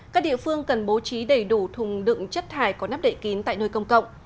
các địa phương cần bố trí đầy đủ thùng đựng chất thải có nắp đậy kín tại nơi công cộng